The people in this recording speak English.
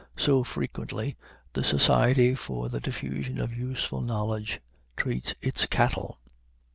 So, frequently, the Society for the Diffusion of Useful Knowledge treats its cattle.